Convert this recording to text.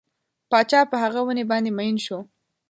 پاچا په هغه ونې باندې مین شو.